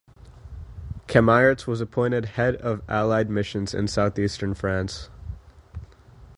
Cammaerts was appointed head of Allied missions in southeastern France.